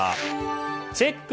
チェック！